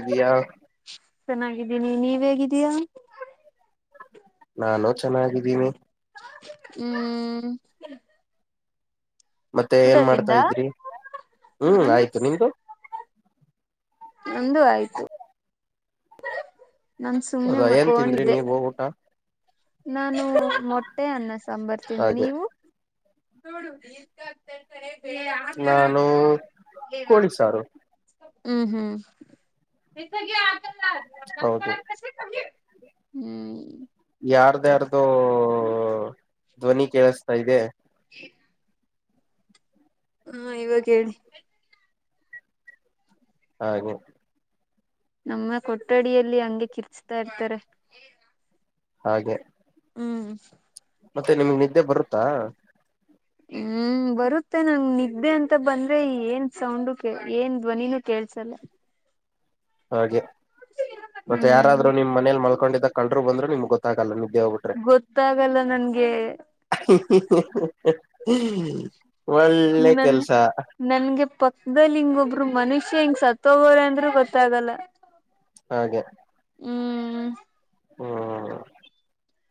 ಇದಿಯಾ. ಚೆನ್ನಾಗಿದ್ದೀನಿ ನೀವ್ ಹೇಗಿದ್ದೀಯಾ. ನಾನು ಚೆನ್ನಾಗಿದ್ದೀನಿ. ಹ್ಮ್. ಮತ್ತೆ ಏನ್ ತಿಂದ ಮಾಡ್ತಾ ಇದ್ರಿ ಊಟ ಹ್ಮ್ ನಾನು ಆಯ್ತು ನಿಮ್ದು. ನಂದು ಆಯ್ತು. ನಾನ್ ಸುಮ್ನೆ ಹೌದಾ ಏನ್ ತಿಂದ್ರಿ ಮಕೊಂಡಿದ್ದೆ ನೀವು ಊಟಾ. ನಾನು ಮೊಟ್ಟೆ ಅನ್ನ ಸಾಂಬರ್ ತಿಂದೆ ಹಾಗೆ ನೀವು ನಾನು ಕೋಳಿ ಸಾರು. ಹ್ಮ್ ಹ್ಮ್ ಹೌದು [unintelligible] ಹ್ಮ್ ಯಾರ್ದ್ಯಾರ್ದು ಧ್ವನಿ ಕೇಳಸ್ತಾ ಇದೆ. ಇ ಹ್ಮ ಇವಾಗ ಹೇಳಿ. ಹಾಗೆ. ನಮ್ಮ ಕೊಠಡಿಯಲ್ಲಿ ಹಂಗೆ ಕಿರ್ಚ್ತಾ ಇರ್ತಾರೆ. ಹಾಗೆ. ಹ್ಮ್. ಮತ್ತೆ ನಿಮ್ಗ್ ನಿದ್ದೆ ಬರುತ್ತಾ. ಹ್ಮ್ ಬರುತ್ತೆ ನಂಗ್ ನಿದ್ದೆ ಅಂತ ಬಂದ್ರೆ ಏನ್ ಸೌಂಡು ಕೆ ಏನ್ ಧ್ವನಿನೂ ಕೇಳ್ಸಲ್ಲ. [inaudible] ಹಾಗೆ. ಮತ್ತೆ ಹ್ಮ್ ಯಾರಾದ್ರು ನಿಮ್ ಮನೇಲ್ ಮಲ್ಕೊಂಡಿದ ಕಲ್ರು ಬಂದ್ರು ನಿಮ್ಗ್ ಗೊತ್ತಾಗಲ್ಲ ನಿದ್ದೆ ಹೋಗ್ಬಿಟ್ರೆ. ಅಲ್ಲ ನಂಗೆ. ಹ್ ಹ್ ಹ್ ಹ್ ಒಳ್ಳೆ ನನ್ ಕೆಲ್ಸ. ನನ್ಗೆ ಪಕ್ಕದಲ್ಲಿ ಹಿಂಗೊಬ್ರು ಮನುಷ್ಯ ಹಿಂಗ್ ಸತ್ತ ಹೋಗೋವ್ರೆ ಅಂದ್ರೂ ಗೊತ್ತಾಗಲ್ಲ. ಹಾಗೆ. ಹ್ಮ್ ಹ್ಮ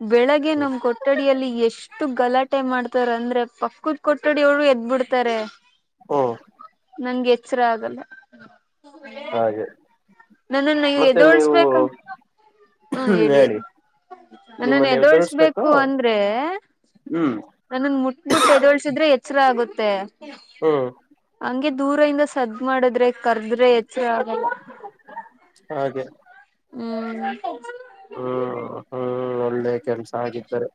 ಬೆಳಗ್ಗೆ ನಮ್ ಕೊಠಡಿಯಲ್ಲಿ ಎಷ್ಟು ಗಲಾಟ್ ಟ್ಟೆ ಮಾಡ್ತಾರ ಅಂದ್ರೆ ಪಕ್ಕದ ಕೊಟ್ಟಡಿ ಅವ್ರು ಎದ್ಬಿಡ್ತಾರೆ. ಹ್ಮ್. ನಂಗ ಎಚ್ಚರ ಆಗಲ್ಲ. ಹಾಗೆ. ನನ್ನನ್ನ ಮತ್ತೆ ನೀವು ಎದೋಳ್ಸ್ಬೇಕ ಹ್ಮ ಹೇಳಿ. ನನ್ನನ್ ನಿಮ್ಮನ್ನ ಎದ್ದಳ್ಸ್ಬೇಕಾ ಎದೋಳ್ಸ್ಬೇಕು ಅಂದ್ರೆ. ಹ್ಮ್. ನನ್ನನ್ ಮುಟ್ ಮುಟ್ ಎದೋಳ್ಸಿದ್ರೆ ಎಚ್ರ ಆಗುತ್ತೆ. ಹ್ಞ. ಹಂಗೆ ದೂರ ಇಂದ ಸದ್ದ್ ಮಾಡದ್ರೆ ಕರ್ದ್ರೆ ಎಚ್ರ ಆಗಲ್ಲ. ಹಾಗೆ. ಹ್ಮ್ ಹ್ಮ್ ಹ್ಮ್ ಒಳ್ಳೆ ಕೆಲ್ಸ ಹಾಗಿದ್ದರೆ.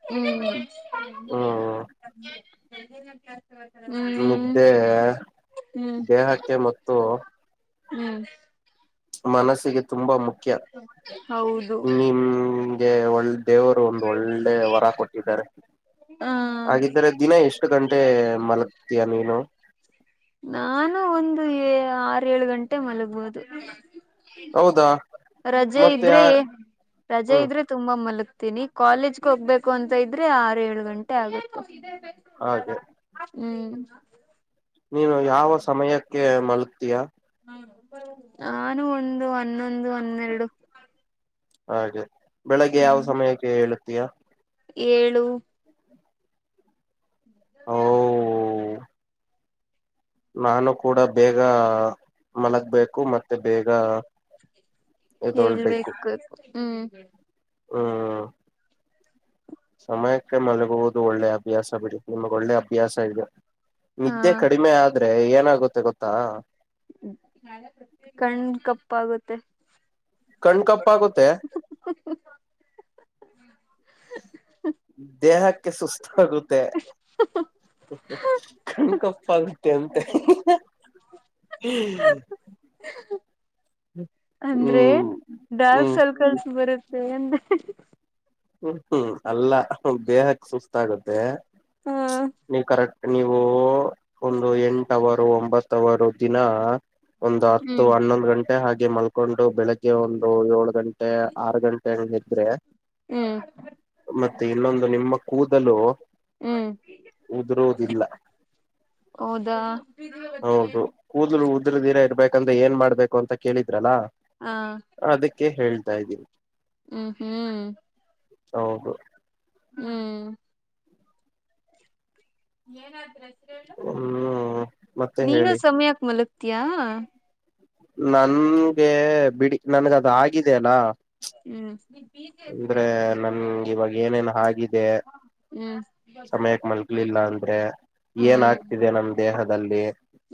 ಹ್ಮ್ ನಿದ್ದೆ ದೇಹಕ್ಕೆ ಮತ್ತು. ಹ್ಮ. ಮನಸ್ಸಿಗೆ ತುಂಬಾ ಮುಖ್ಯ. ಹೌದು. ನಿಮ್ಗೆ ಒಳ್ಳ ದೇವ್ರು ಒಂದು ಒಳ್ಳೆ ವರ ಕೊಟ್ಟಿದ್ದಾರೆ. ಹಾ ಹಾಗಿದ್ರೆ ದಿನ ಎಷ್ಟ ಗಂಟೆ ಮಲಗ್ತಿಯ ನೀನು. ನಾನು ಒಂದು ಏ ಆರ ಏಳು ಗಂಟೆ ಮಲಗ್ಬಹುದು. ಹೌದಾ. ರಜೆ ಮತ್ತೆ ಇದ್ರೆ ರಜೆ ಹ್ಮ್ ಇದ್ರೆ. ತುಂಬಾ ಮಲಗ್ತೀನಿ ಕಾಲೇಜ್ಗೆ ಹೋಗ್ಬೇಕು ಅಂತ ಇದ್ರೆ ಆರು ಏಳು ಗಂಟೆ ಆಗುತ್ತೆ ಹಾಗೆ ಹ್ಮ್. ನೀನು ಯಾವ ಸಮಯಕ್ಕೆ ಮಲಗ್ತೀಯಾ. ನಾನು ಒಂದು ಹನ್ನೊಂದು ಹನ್ನೆರಡು. ಹಾಗೆ ಬೆಳಿಗ್ಗೆ ಯಾವ ಸಮಯಕ್ಕೆ ಏಳುತ್ತೀಯಾ. ಏಳು. ನವ್ಯ. ಓ ನಾನು ಕೂಡ ಬೇಗ ಮಲಗ್ಬೇಕು ಮತ್ತೆ ಬೇಗ. ಎದೊಳ್ಬೇಕು ಹೇಳ್ಬೇಕ ಹ್ಮ್. ಹ್ಮ್. ಸಮಯಕ್ಕೆ ಮಲಗುವುದು ಒಳ್ಳೆ ಅಭ್ಯಾಸ ಬಿಡಿ ನಿಮಗ್ ಒಳ್ಳೆ ಅಭ್ಯಾಸ ಇದೆ. ಹಾ ನಿದ್ದೆ ಕಡಿಮೆ ಆದ್ರೆ ಏನಾಗುತ್ತೆ ಗೊತ್ತಾ. ಕಣ್ ಕಪ್ಪಾಗುತ್ತೆ. ಕಣ್ ಕಪ್ಪ ಆಗುತ್ತೆ. ದೇಹಕ್ಕೆ ಸುಸ್ತ ಆಗುತ್ತೆ ಕಣಕಪ್ಪ ತೆ ಅಂತೆ ಅಂದ್ರೆ ಹ್ಮ್ ಡಾರ್ಕ್ ಹ್ಮ್ ಸರ್ಕಲ್ಸ್ ಬರುತ್ತೆ ಅಂದೆ. ಹ್ಮ್ ಹ್ಮ್ ಅಲ್ಲ ದೇಹಕ್ಕ ಸುಸ್ತ ಆಗುತ್ತೆ ಹ ನೀವು ಕರಕ್ಟ್ ನೀವು ಒಂದು ಎಂಟವರು ಒಂಬತ್ತವರು ದಿನ. ಒಂದು ಹತ್ತು ಹ್ಮ್ ಹನ್ನೊಂದು ಗಂಟೆ ಹಾಗೆ ಮಲ್ಕೊಂಡು ಬೆಳಿಗ್ಗೆ ಒಂದು ಏಳು ಗಂಟ್ ಟೆ ಆರ ಗಂಟೆ ಹಾಗ್ ಏದ್ರೆ ಹ್ಮ್. ಮತ್ತೆ ಇನ್ನೊಂದು ನಿಮ್ಮ ಕೂದಲು. ಹ್ಮ್ ಉದುರುದಿಲ್ಲ ಹೌದಾ ಹೌದು. ಕೂದ್ಲು ಉದ್ರ ದೀರೆ ಇರ್ಬೇಕಂದ್ರೆ ಏನ್ ಮಾಡ್ಬೇಕು ಅಂತ ಕೇಳಿದ್ರಲ್ಲಾ. ಹಾ. ಅದಕ್ಕೆ ಹೇಳ್ತಾ ಇದ್ದೀನಿ. ಹ್ಮ್ ಹ್ಮ್. ಹೌದು. ಹ್ಮ್. ಏನಾದ ಆದ್ರ ಹೆಸ್ರು ಹೇಳು ಹ್ಮ್ ಮತ್ತೆ ನೀನು ಹೇಳಿ ಸಮಯಕ್ ಮಲಗ್ತಿಯ. ನನ್ಗೆ ಬಿಡಿ ನನ್ಗ ಅದ ಆಗಿದೆ ಅಲ್ಲಾ. ಹ್ಮ್. ಅಂದ್ರೆ ನನ್ಗ ಇವಾಗ ಏನೇನ್ ಆಗಿದೆ ಹ್ಮ್ ಸಮಯಕ್ ಮಲ್ಕ ಮಲ್ಗಿಲ್ಲ ಅಂದ್ರೆ ಏನ್ ಹ್ಮ್ ಆಗ್ತಿದೆ ನಮ ದೇಹದಲ್ಲಿ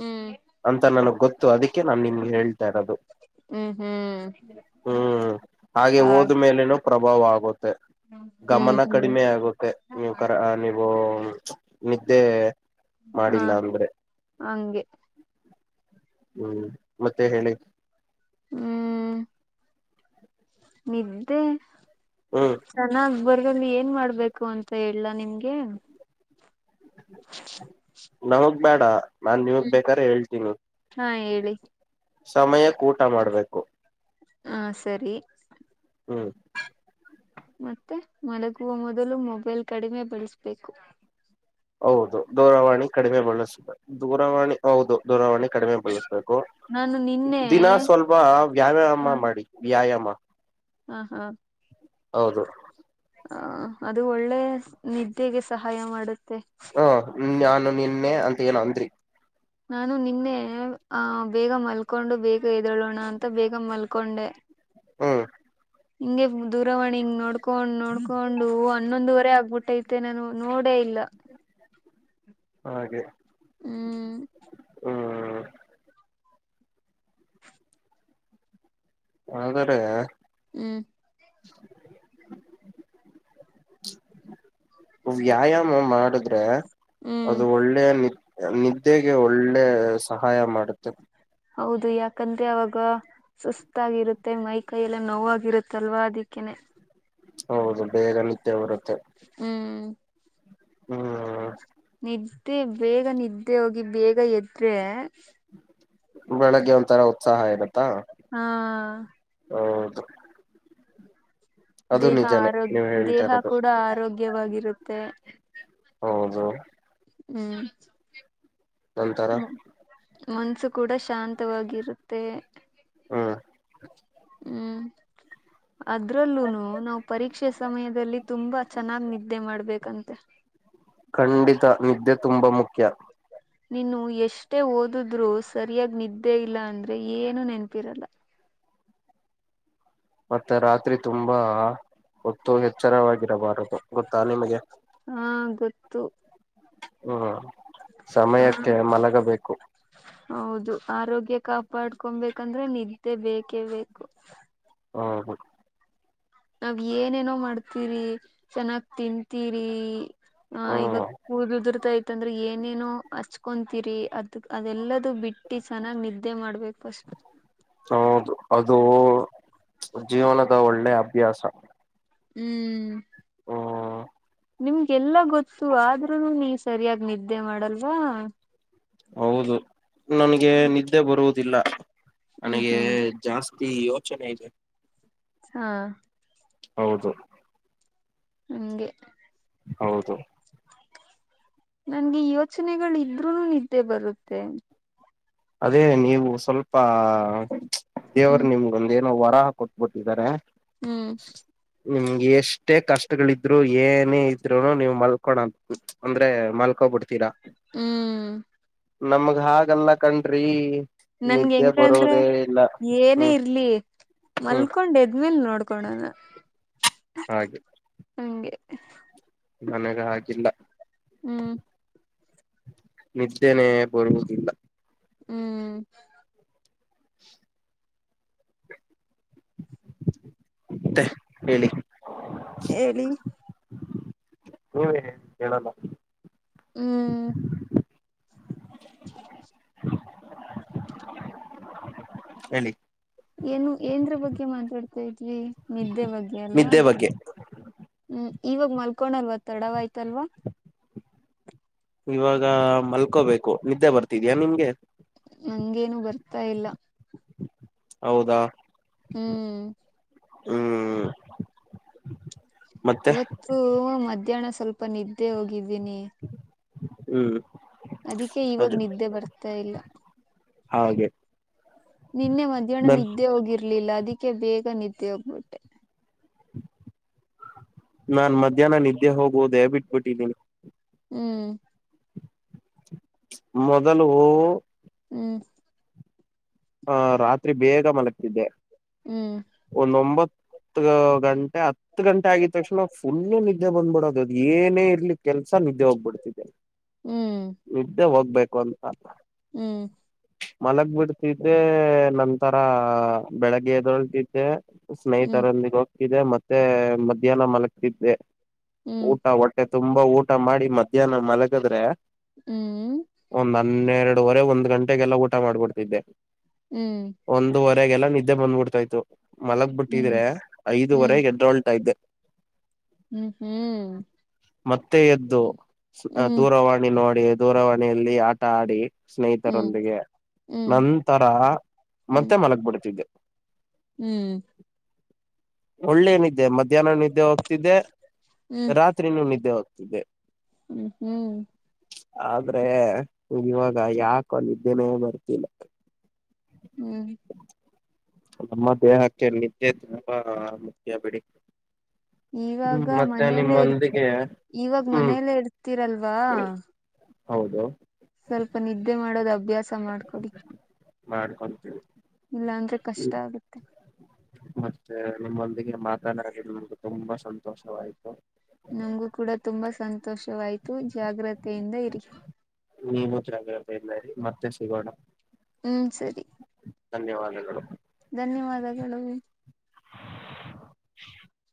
ಹ್ಮ್ ಅಂತ ನನಗ್ ಗೊತ್ತ. ಅದಕ್ಕೆ ನಾನ್ ನಿಮ್ಗೆ ಹೇಳ್ತಾ ಇರೋದು. ಹ್ಮ್ ಹ್ಮ್ ಹ್ಮ್ ಓದ ಹಾಗೆ. ಮೇಲೆನೂ ಪ್ರಭಾವ ಆಗುತ್ತೆ ಗಮನ ಹ್ಮ್ ಕಡಿಮೆ ಆಗುತ್ತೆ ನೀವು ಕರ. [unintelligible] ನಿದ್ದೆ. ಹಾ ಮಾಡಿಲ್ಲ ಅಂದ್ರೆ ಹಂಗೆ. ಹ್ಮ್ ಮತ್ತೆ ಹೇಳಿ. ಹ್ಮ್. ನಿದ್ದೆ. ಹ್ಮ್. ಚೆನ್ನಾಗ್ ಬರಲ್ಲಿ ಏನ್ ಮಾಡ್ಬೇಕು ಅಂತ ಹೇಳಲಾ ನಿಮ್ಗೆ. [inaudible] ನಾವಗ್ ಬೇಡ ನಾನ್ ನಿವಗ್ ಬೇಕ್ ಆದ್ರೆ ಹೇಳ್ತೀನಿ. ಹಾ ಹೇಳಿ. ಸಮಯಕ ಊಟ ಮಾಡ್ಬೇಕು. ಹಾ ಸರಿ. ಹ್ಮ್ ಮತ್ತೆ ಮಲಗುವ ಮೊದಲು ಮೊಬೈಲ್ ಕಡಿಮೆ ಬಳಸ್ಬೇಕು. ಹೌದು ದೂರವಾಣಿ ಕಡಿಮೆ ಬಳಸ ಬೇಕ್ ದೂರವಾಣಿ. ಹೌದು ದೂರವಾಣಿ ಕಡಿಮೆ ಬಳಸ್ಬೇಕು ನಾನು ನಿನ್ನೆ ದಿನ ಸ್ವಲ್ಪ ವ್ಯಾಯಾಮ ಮಾಡಿ. ವ್ಯಾಯಾಮ. ಹಾ ಹಾ. ಹೌದು. ಹ ಅದು ಒಳ್ಳೆ ನಿದ್ದೆಗೆ ಸಹಾಯ ಮಾಡುತ್ತೆ. ಹ ನಾನು ನಿನ್ನೆ ಅಂತ ಏನು ಅಂದ್ರಿ. ನಾನು ನಿನ್ನೆ ಆ ಬೇಗ ಮಲ್ಕೊಂಡು ಬೇಗ ಎದ್ದೆಲೊನಾ ಅಂತ ಬೇಗ ಮಲ್ಕೊಂಡೆ. ಹ್ಮ. ಹಿಂಗೆ ದೂರವಾಣಿ ಹಿಂಗ್ ನೋಡ್ಕೊಂಡ್ ನೋಡ್ಕೊಂಡು ಹನ್ನೊಂದುವರೆ ಆಗ್ಬಿಟ್ಟೈತೆ ನಾನು ನೋಡೇ ಇಲ್ಲ. ಹಾಗೆ. ಹ್ಮ್. ಹ್ಮ್. ಅದರಿ. ಹ್ಮ್. [inaudible] ವ್ಯಾಯಾಮ ಮಾಡಿದ್ರೆ. ಹ್ಮ್ ಅದು ಒಳ್ಳೆಯ ನ ನಿದ್ದೆಗೆ ಒಳ್ಳೆ ಸಹಾಯ ಮಾಡುತ್ತೆ. ಹೌದು ಯಾಕಂದ್ರೆ ಅವಾಗ. ಸುಸ್ತಾಗಿರುತ್ತೆ ಮೈ ಕೈಯ ಎಲ್ಲ ನೋವಾಗಿರುತ್ತಲ್ವಾ ಅದಕ್ಕೇನೆ. ಹೌದು ಬೇಗ ನಿದ್ದೆ ಬರುತ್ತೆ. ಹ್ಮ್. ಹ್ಮ್. ನಿದ್ದೆ ಬೇಗ ನಿದ್ದೆ ಹೋಗಿ ಬೇಗ ಎದ್ರೆ. ಬೆಳಗ್ಗೆ ಒಂಥರ ಉತ್ಸಾಹ ಇರತ್ತಾ. ಹಾ. ಹೌದು. ಅದು ದೇಹ ನಿಜಾನೇ ನೀವ್ ಆರೋಗ್ಯ ಹೇಳ್ತಾ ದೇಹ ಇರೋದು ಕೂಡ ಆರೋಗ್ಯವಾಗಿರುತ್ತೆ. ಹೌದು. ಹ್ಮ್. ನಂತರ ಹ್ಮ ಮನ್ಸು ಕೂಡ ಶಾಂತವಾಗಿರುತ್ತೆ. ಹ್ಮ. ಹ್ಮ್. ಅದ್ರಲ್ಲೂನು ನಾವು ಪರೀಕ್ಷೆ ಸಮಯದಲ್ಲಿ ತುಂಬಾ ಚೆನ್ನಾಗಿ ನಿದ್ದೆ ಮಾಡ್ಬೇಕಂತೆ. [inaudible] ಖಂಡಿತ ನಿದ್ದೆ ತುಂಬಾ ಮುಖ್ಯ. ಹ. ನೀನು ಎಷ್ಟೇ ಓದಿದ್ರು ಸರಿಯಾಗಿ ನಿದ್ದೆ ಇಲ್ಲ ಅಂದ್ರೆ ಏನು ನೆನಪಿರಲ್ಲ. ಮತ್ತೆ ರಾತ್ರಿ ತುಂಬಾ ಹೊತ್ತು ಎಚ್ಚರವಾಗಿರಬಾರದು ಗೊತ್ತಾ ನಿಮಗೆ. ಹಾ ಗೊತ್ತು. ಹ್ಮ ಸಮಯಕ್ಕೆ ಹ ಮಲಗಬೇಕು. ಹೌದು ಆರೋಗ್ಯ ಕಾಪಾಡ್ಕೊಬೇಕಂದ್ರೆ ನಿದ್ದೆ ಬೇಕೇ ಬೇಕು. ಹ್ಮ ಹ. ನಾವ್ ಏನೇನೋ ಮಾಡ್ತೀರಿ ಚೆನ್ನಾಗ್ ತಿಂತೀರಿ ಹ ಹ್ಮ್ ಇವಗ ಕೂದುಲ್ ಉುದುರ್ತಾ ಇತಿ. ಅತ್ತಂದ್ರೆ ಏನೇನು ಹಚ್ಕೊಂತೀರಿ ಅದ ಅದೆಲ್ಲದು ಬಿಟ್ಟಿ ಚೆನ್ನಾಗ್ ನಿದ್ದೆ ಮಾಡ್ಬೇಕು ಫಸ್ಟ್. ಹೌದು ಅದು ಜೀವನದ ಒಳ್ಳೆ ಅಭ್ಯಾಸ. ಹ್ಮ್. ಹ್ಮ. ನಿಮ್ಗೆಲ್ಲಾ ಗೊತ್ತು ಆದ್ರೂನು ನೀ ಸರಿಯಾಗಿ ನಿದ್ದೆ ಮಾಡಲ್ವಾ. ಹೌದು ನನಗೆ ನಿದ್ದೆ ಬರುವುದಿಲ್ಲ ಹ್ಮ್ ನನಗೆ ಹ್ಮ್ ಜಾಸ್ತಿ ಯೋಚನೆ ಇದೆ. ಹಾ. ಹೌದು. ಹಂಗೆ. ಹೌದು. ನನ್ಗೆ ಯೋಚನೆಗಳು ಇದ್ರರು ನಿದ್ದೆ ಬರುತ್ತೆ. ಅದೇ ನೀವು ಸ್ವಲ್ಪ ದೇವರು ಹ್ಮ್ ನಿಮ್ಗೆ. ಒಂದು ಏನೋ ವರಹ ಕೊಟ್ಬಿಟ್ಟಿದ್ದಾರೆ. ಹ್ಮ್. ನಿಮ್ಗೆ ಎಷ್ಟೇ ಕಷ್ಟಗಳಿದ್ರು ಏನೇ ಇದ್ರುನು ನೀವ್ ಮಲ್ಕೊಂತ. ಅಂದ್ರೆ ಮಲ್ಕೋ ಬಿಡ್ತೀರಾ. ಹ್ಮ್. ನಮಗ ಹಾಗಲ್ಲಾ ಕಣ್ರಿ. ನನ್ಗ್ ನಿದ್ದೆ ಹೆಂಗಂದ್ರೆ ಬರೋದೇ ಇಲ್ಲ ಏನೇ ಹ್ಮ್ ಇರ್ಲಿ ಹ್ಮ್ ಮಲ್ಕೊಂಡ್ ಎದ್ಮೇಲ್ ನೋಡ್ಕೋ ನೋಡ್ಕೊನೋಣ. ಹಾಗೆ. ಹಂಗೆ. ನನಗ ಹಾಕಿಲ್ಲ. ಹ್ಮ್. ನಿದ್ದೇನೆ ಬರುವುದಿಲ್ಲ. ಹ್ಮ್ ಮತ್ತೆ ಹೇಳಿ. ಹೇಳಿ ನೀವೇ ಹೇಳಿ ಕೇಳನ. ಹ್ಮ್. ಹೇಳಿ. ಏನು ಎಂದ್ರೆ ಬಗ್ಗೆ ಮಾತಾಡ್ತಾ ಇದ್ವಿ ನಿದ್ದೆ ಬಗ್ಗೆ ಅಲ್ವಾ. ನಿದ್ದೆ ಬಗ್ಗೆ ಹ್ಮ್ ಇವಾಗ ಮಲ್ಕೊಂಡಲ್ವ ತಡ ಆಯ್ತಲ್ವಾ. ಇವಾಗ ಮಲ್ಕೋಬೇಕು ನಿದ್ದೆ ಬರ್ತಿದ್ಯಾ ನಿಮ್ಗೆ. ನಂಗೇನು ಬರ್ತಾ ಇಲ್ಲ. ಹೌದಾ. ಹ್ಮ್ ಹ್ಮ್ ಮತ್ತೆ ಇವತ್ತು ಮಧ್ಯಾಹ್ನ ಸ್ವಲ್ಪ ನಿದ್ದೆ ಹೋಗಿದ್ದೀನಿ. ಹ್ಮ್ ಅದಿಕ್ಕೆ ಇವಾಗ ಅದು ನಿದ್ದೆ ಬರ್ತಾ ಇಲ್ಲ. ಹಾಗೆ. ನಿನ್ನೆ ಮಧ್ಯಾಹ್ನ ನನ್ ನಿದ್ದೆ ಹೋಗಿರ್ಲಿಲ್ಲ ಅದಿಕ್ಕೆ ಬೇಗ ನಿದ್ದೆ ಹೋಗ್ಬಿಟ್ಟೆ. ನಾನ್ ಮಧ್ಯಾಹ್ನ ನಿದ್ದೆ ಹೋಗುವುದೇ ಬಿಟ್ಬಿಟ್ಟಿದ್ದೀನಿ. ಹ್ಮ್. ಮೊದಲು. ಹ್ಮ್. ಆ ರಾತ್ರಿ ಬೇಗ ಮಲಗ್ತಿದ್ದೆ. ಹ್ಮ್. ಒಂದೊಂಬತ್ ಗಂಟೆ ಹತ್ ಹತ್ ಗಂಟೆ ಆಗಿದ್ದ ತಕ್ಷಣ ಫುಲ್ಲು ನಿದ್ದೆ ಬಂದ್ಬಿಡೋದು ಅದು ಏನೇ ಇರ್ಲಿ ಕೆಲ್ಸ ನಿದ್ದೆ ಹೋಗ್ಬಿಡ್ತಿದ್ದೆ. ಹ್ಮ್ ನಿದ್ದೆ ಹೋಗ್ಬೇಕು ಅಂತ. ಹ್ಮ್. ಮಲಗ್ ಬಿಡ್ತಿದ್ದೆ ನಂತರ ಬೆಳಗ್ಗೆ ಎದ್ದೋಳತ್ತಿದೆ. ಹ್ಮ್ ಸ್ನೇಹಿತರೊಂದಿಗ ಹೋಗ್ತಿದ್ದೆ ಮತ್ತೆ ಮಧ್ಯಾಹ್ನ ಮಲಗ್ತಿದ್ದೆ. ಹ್ಮ್ ಊಟ ಹೊಟ್ಟೆ ತುಂಬಾ ಊಟ ಮಾಡಿ ಮಧ್ಯಾಹ್ನ ಮಲಗದ್ರೆ. ಹ್ಮ್ ಒಂದ್ ಹನ್ನೆರಡುವರೆ ಒಂದ್ ಗಂಟೆಗೆಲ್ಲ ಊಟ ಮಾಡ್ಬಿಡ್ತಿದ್ದೆ. ಹ್ಮ್. ಒಂದುವರೆಗೆಲ್ಲ ನಿದ್ದೆ ಬಂದ್ಬಿಡ್ತಾ ಇತ್ತು ಮಲಗ್ ಹ್ಮ್ ಬಿಟ್ಟಿದ್ರೆ ಹ್ಮ್ ಐದುವರೆ ಎದ್ದೋಳ್ತಾ ಇದ್ದೆ. ಹ್ಮ್ ಹ್ಮ್. ಮತ್ತೆ ಎದ್ದು ಹ್ಮ್ ದೂರವಾಣಿ ನೋಡಿ ದೂರವಾಣಿಯಲ್ಲಿ ಆಟ ಆಡಿ. ಹ್ಮ್ ಸ್ನೇಹಿತರೊಂದಿಗೆ ನನ್ ಹ್ಮ್ ನಂತರ ಮತ್ತೆ ಮಲಗ್ ಬಿಡ್ತಿದ್ದೆ. ಹ್ಮ್ ಹ್ಮ್ ಒಳ್ಳೆ ನಿದ್ದೆ ಮ ಮಧ್ಯಾಹ್ನ ನಿದ್ದೆ ಹೋಗ್ತಿದ್ದೆ ಹ್ಮ್ ರಾತ್ರಿನೂ ನಿದ್ದೆ ಹೋಗ್ತಿದ್ದಿದೆ. ಹ್ಮ್ ಹ್ಮ್ ಆದ್ರೆ ಇವಾಗ ಯಾಕೋ ನಿದ್ದೆನೆ ಬರ್ತಿಲ್ಲ. ಹ್ಮ. ನಮ್ಮ ದೇಹಕ್ಕೆ ನಿದ್ದೆ ತುಂಬಾ ಮುಖ್ಯ ಬಿಡಿ. ಹ್ಮ್ ಇವಾಗ ಮತ್ತೆ ಮನೆಯಲ್ಲೇ ಇರ್ ನಿಮ್ಮೊಂದಿಗೆ ಇವಾಗ ಹ್ಮ್ ಮನೆಯಲ್ಲೇ ಇರ್ತೀರಲ್ವಾ. ಹೌದು. ಸ್ವಲ್ಪ ನಿದ್ದೆ ಮಾಡೋದು ಅಭ್ಯಾಸ ಮಾಡ್ಕೊಡಿ. ಮಾಡ್ಕೊಂತೀನಿ. ಇಲ್ಲ ಅಂದ್ರೆ ಕಷ್ಟ ಆಗತ್ತೆ. ಮತ್ತೆ ನಿಮ್ಮೊಂದಿಗೆ ಮಾತಾನಾಡಿ ನಮ್ಗೆ ತುಂಬಾ ಸಂತೋಷವಾಯ್ತು. ನಮಗೂ ಕೂಡ ತುಂಬಾ ಸಂತೋಷವಾಯ್ತು ಜಾಗ್ರತೆಯಿಂದ ಇರಿ. ನೀವು ಜಾಗ್ರತೆಯಿಂದ ಇರಿ ಮತ್ತೆ ಸಿಗೋಣ. ಹ್ಮಞ ಸರಿ. ಧನ್ಯವಾದಗಳು. ಧನ್ಯವಾದಗಳು.